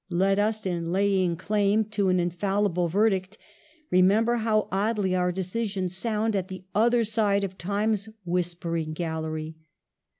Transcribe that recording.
Let us, in laying claim 2 EMILY BRONTE. to an infallible verdict, remember how oddly our decisions sound at the other side of Time's whis pering gallery.